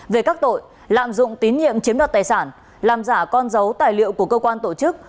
về các tội lạm dụng tín nhiệm chiếm đoạt tài sản làm giả con dấu tài liệu của cơ quan tổ chức